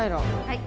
はい。